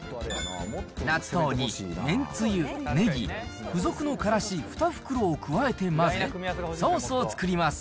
納豆にめんつゆ、ネギ、付属のからし２袋を加えて混ぜ、ソースを作ります。